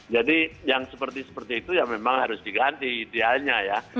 jadi yang seperti seperti itu ya memang harus diganti idealnya ya